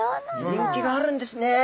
人気があるんですね！